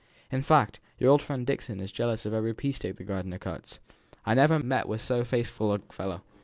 In fact, your old friend Dixon is jealous of every pea stick the gardener cuts. I never met with so faithful a fellow.